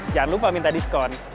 jangan lupa minta diskon